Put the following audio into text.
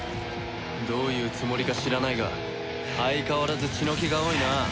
どういうつもりか知らないが相変わらず血の気が多いな。